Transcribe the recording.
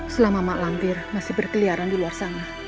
selama maklum dir masih berkeliaran di luar sana